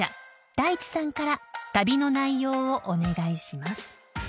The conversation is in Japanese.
太一さんから旅の内容をお願いします］